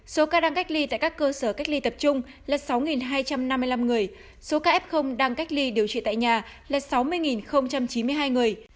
số ca đang cách ly tại các cơ sở cách ly tập trung là sáu hai trăm năm mươi năm người số ca f đang cách ly điều trị tại nhà là sáu mươi chín mươi hai người